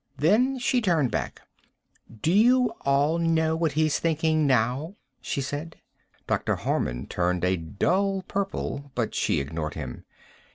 Then she turned back. "Do you all know what he's thinking now?" she said. Dr. Harman turned a dull purple, but she ignored him.